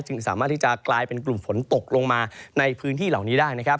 สามารถที่จะกลายเป็นกลุ่มฝนตกลงมาในพื้นที่เหล่านี้ได้นะครับ